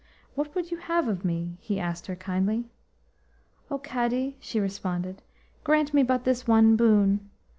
"What would you have of me?" he asked her kindly. "O Cadi," she responded, "grant me but this one boon.